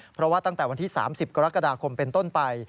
เพราะว่าตั้งแต่วันที่๓๐กรกฎาคมเป็นต้นไป